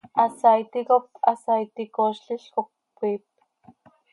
Hasaaiti cop hasaaiti coozlil cop cömiip.